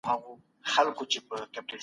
تاسو به د ژوند په هره ماته کي درس لټوئ.